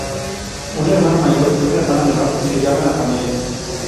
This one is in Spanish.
Un hermano mayor y una hermana menor integraban la familia.